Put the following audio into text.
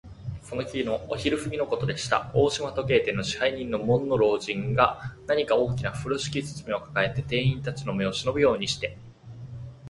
その日のお昼すぎのことでした。大鳥時計店の支配人の門野老人が、何か大きなふろしき包みをかかえて、店員たちの目をしのぶようにして、